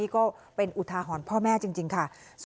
ก็เป็นอุทาหรณ์พ่อแม่จริงค่ะ